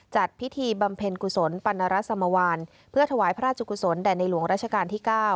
จัดพิธีบำเพ็ญกุศลปรณรสมวานเพื่อถวายพระราชกุศลแด่ในหลวงราชการที่๙